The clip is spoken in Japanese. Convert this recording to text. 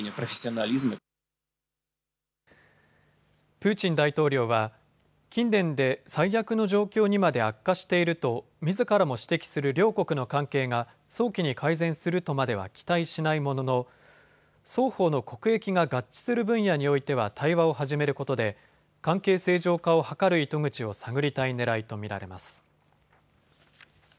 プーチン大統領は近年で最悪の状況にまで悪化していると、みずからも指摘する両国の関係が早期に改善するとまでは期待しないものの双方の国益が合致する分野においては対話を始めることで関係正常化を図る糸口を探りたいねらいと見られます。